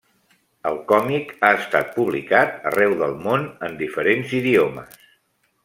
El còmic ha estat publicat arreu del món en diferents idiomes.